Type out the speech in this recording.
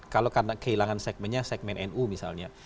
kalau karena kehilangan segmennya segmen nu misalnya